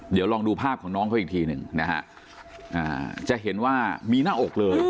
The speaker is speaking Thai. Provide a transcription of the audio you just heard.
เดี๋ยวลองดูภาพของน้องเขาอีกทีหนึ่งนะฮะจะเห็นว่ามีหน้าอกเลย